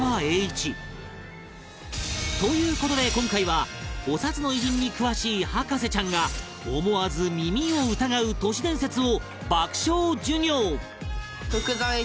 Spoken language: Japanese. という事で今回はお札の偉人に詳しい博士ちゃんが思わず耳を疑う都市伝説を爆笑授業！